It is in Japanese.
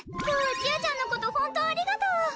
今日はちあちゃんのことホントありがとう。